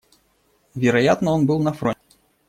Вероятно, он был на фронте.